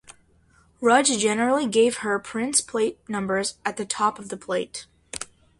Rudge generally gave her prints plate numbers at the top of the plate.